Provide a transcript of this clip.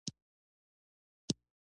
تاریخ د خپل ولس د امنیت لامل دی.